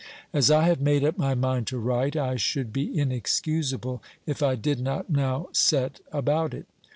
As I have made up my mind to write, I should be inexcusable if I did not now set about it.